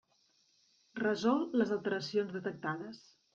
Resol les alteracions detectades.